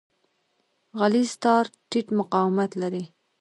غلیظ تار ټیټ مقاومت لري.